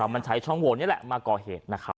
มันใช้ช่องโวนนี่แหละมาก่อเหตุนะครับ